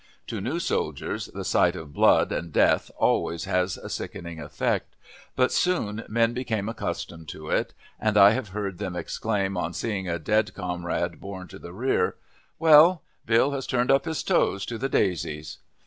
To new soldiers the sight of blood and death always has a sickening effect, but soon men become accustomed to it, and I have heard them exclaim on seeing a dead comrade borne to the rear, "Well, Bill has turned up his toes to the daisies."